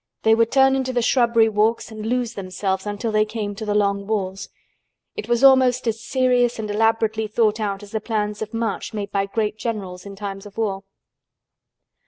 They would turn into the shrubbery walks and lose themselves until they came to the long walls. It was almost as serious and elaborately thought out as the plans of march made by great generals in time of war.